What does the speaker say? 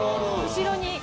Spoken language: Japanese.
後ろに。